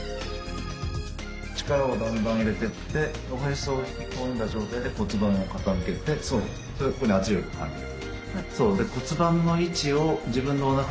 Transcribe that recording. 力をだんだん入れてっておへそを引き込んだ状態で骨盤を傾けてそうそれでここに圧力を感じる。